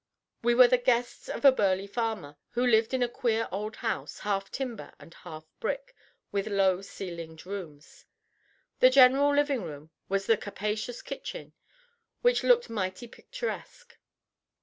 We were the guests of a burly farmer, who lived in a queer old house, half timber and half brick, with low ceilinged rooms. The general living room was the capacious kitchen, which looked mighty picturesque.